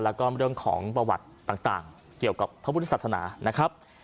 แล้วก็เรื่องของประวัติต่างเกี่ยวกับพระพุทธศาสนานะครับ